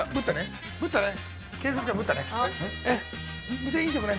無銭飲食ね。